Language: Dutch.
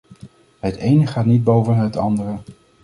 Het ene gaat niet boven het andere.